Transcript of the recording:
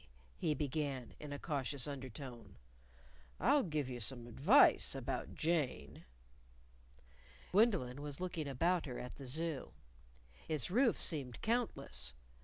he began in a cautious undertone: "I'll give you some advice about Jane." Gwendolyn was looking about her at the Zoo. Its roofs seemed countless.